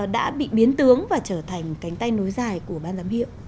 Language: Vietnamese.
đã bị biến tướng và trở thành cánh tay nối dài của ban giám hiệu